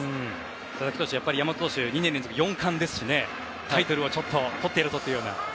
佐々木投手山本投手は２年連続４冠ですしタイトルをとってやるぞというような。